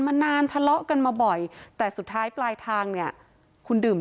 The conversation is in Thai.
มานานทะเลาะกันมาบ่อยแต่สุดท้ายปลายทางเนี่ยคุณดื่ม